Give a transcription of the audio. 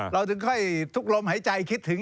เราถึงค่อยทุกลมหายใจคิดถึง